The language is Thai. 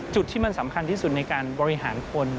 จุดที่มันสำคัญที่สุดในการบริหารคน